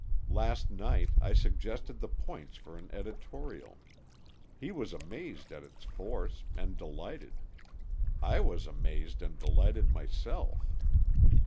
Last night I suggested the points for an editorial. He was amazed at its force, and delighted. I was amazed and delighted myself.